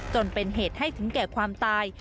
จนเป็นเหตุให้ถึงแก่ความตาย